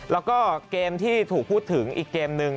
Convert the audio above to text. แล้วก็เกมที่ถูกพูดถึงอีกเกมนึง